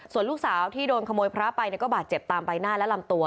ส่วนลูกสาวที่โดนขโมยพระไปก็บาดเจ็บตามใบหน้าและลำตัว